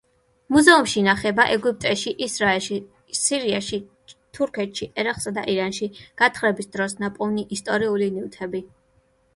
მუზეუმში ინახება ეგვიპტეში, ისრაელში, სირიაში, თურქეთში, ერაყსა და ირანში გათხრების დროს ნაპოვნი ისტორიული ნივთები.